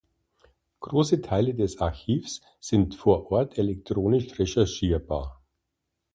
Große Teile des Archivs sind vor Ort elektronisch recherchierbar.